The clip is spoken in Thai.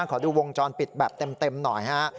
ขอดูวงจรปิดแบบเต็มหน่อยฮะ